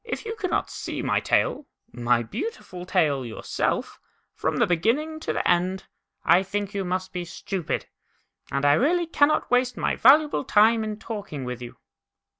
you cannot see my tail, my beautiful tail, yourself, from the beginning to the end, I think you must be stupid, and I really cannot waste my valuable time in talking with you."